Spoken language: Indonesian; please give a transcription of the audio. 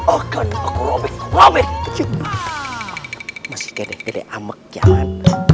akan aku robek robek jatuh masih gede gede ameg jalan